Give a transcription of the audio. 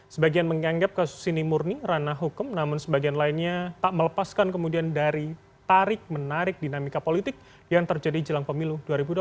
sebagian menganggap kasus ini murni ranah hukum namun sebagian lainnya tak melepaskan kemudian dari tarik menarik dinamika politik yang terjadi jelang pemilu dua ribu dua puluh